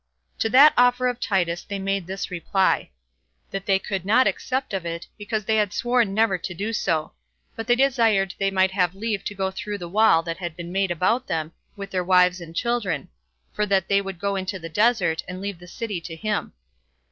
To that offer of Titus they made this reply: That they could not accept of it, because they had sworn never to do so; but they desired they might have leave to go through the wall that had been made about them, with their wives and children; for that they would go into the desert, and leave the city to him.